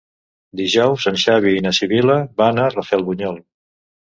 Dijous en Xavi i na Sibil·la van a Rafelbunyol.